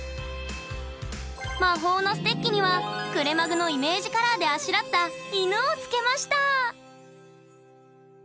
魔法のステッキにはくれまぐのイメージカラーであしらった犬を付けました。